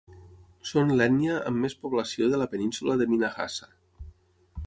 Són l'ètnia amb més població de la península de Minahassa.